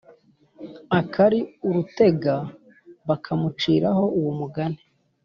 akari urutega, bakamuciraho uwo mugani